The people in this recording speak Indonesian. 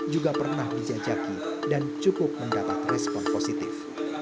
juga pernah dijajaki dan cukup mendapat respon positif